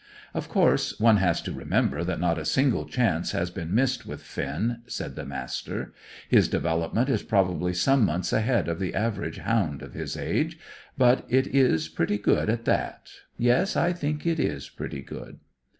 "Of course, one has to remember that not a single chance has been missed with Finn," said the Master. "His development is probably some months ahead of the average hound of his age, but it is pretty good at that; yes, I think it is pretty good."